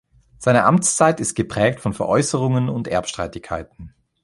Seine Amtszeit ist geprägt von Veräußerungen und Erbstreitigkeiten.